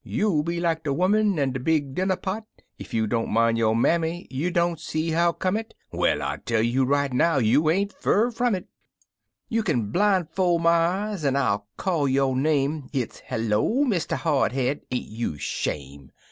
You'll be like de 'oman an' de big dinner pot Ef yo' don't min' yo' mammy. You don't see how come it? Well, 1 tell you right now, you ain't fiir ftim it; You kin blin'fol' my eyes, an' I'll call yo' name — It's " HeHo, Mr. Hardhead! Ain't you 'shame'?"